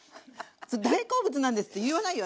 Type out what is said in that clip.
「大好物なんです」って言わないよ